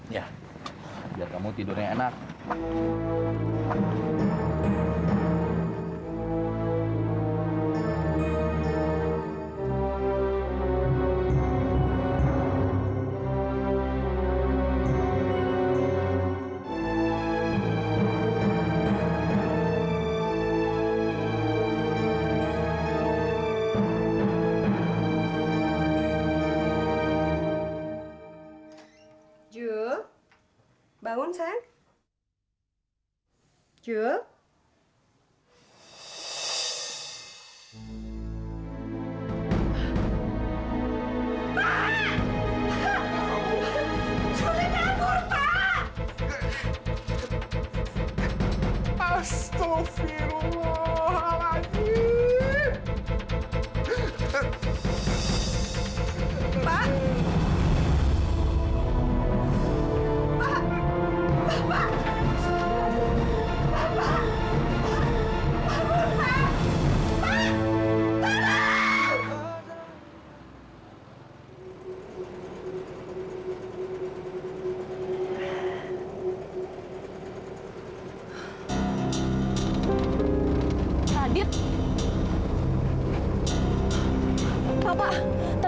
yap biar kamu tidurnya